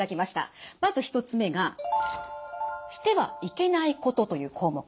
まず１つ目が「してはいけないこと」という項目。